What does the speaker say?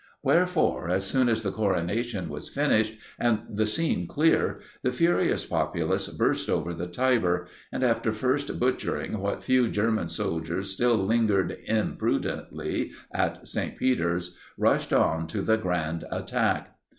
Wherefore, as soon as the coronation was finished, and the scene clear, the furious populace burst over the Tiber; and, after first butchering what few German soldiers still lingered imprudently at St. Peter's, rushed on to the grand attack.